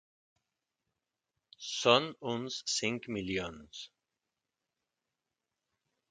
Són uns cinc milions.